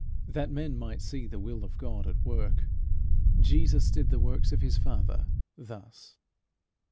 That men might see the will of God at work, Jesus did the works of his Father thus.